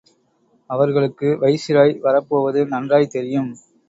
அவர்களுக்கு வைசிராய் வரப்போவது நன்றாய்த் தெரியும்.